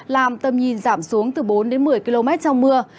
làm tâm nhìn giảm xuống từ bốn một mươi km trong mưa